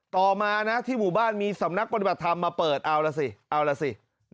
ต่อมานะที่หมู่บ้านมีสำนักปฏิบัติธรรมมาเปิดเอาล่ะสิเอาล่ะสิ